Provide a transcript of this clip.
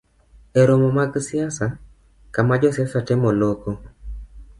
E romo mag siasa, kama josiasa temo loko